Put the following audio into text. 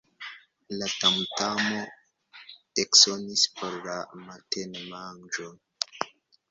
La tamtamo eksonis por la matenmanĝo.